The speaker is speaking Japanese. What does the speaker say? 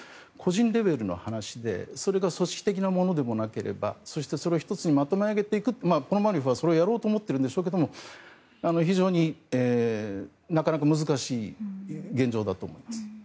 ただ、これは本当に個人レベルの話でそれが組織的なものでもなければそして、それを１つにまとめ上げていくポノマリョフはそういうことをやろうと思っているんでしょうがそういうことも、非常になかなか難しい現状だと思います。